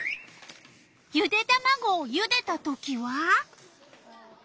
ゆでたまごをゆでたときは？